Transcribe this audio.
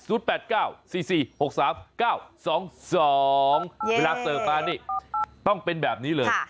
เสิร์ฟมานี่ต้องเป็นแบบนี้เลย